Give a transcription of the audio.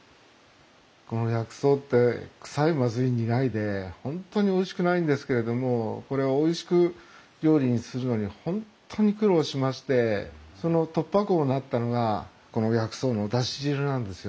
この薬草って臭いまずい苦いで本当においしくないんですけれどもこれをおいしく料理にするのに本当に苦労しましてその突破口になったのがこの薬草のだし汁なんですよ。